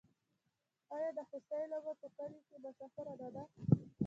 آیا د خوسي لوبه په کلیو کې مشهوره نه ده؟